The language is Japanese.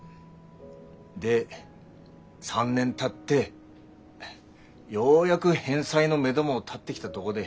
で３年たってようやく返済のめども立ってきたとごで。